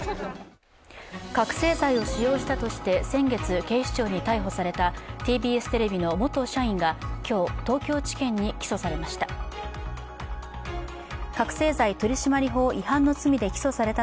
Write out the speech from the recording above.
覚醒剤を使用したとして先月、逮捕されたＴＢＳテレビの元社員が今日東京地検に起訴されました。